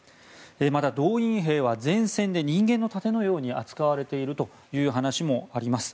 また動員兵は前線で人間の盾のように扱われているという話もあります。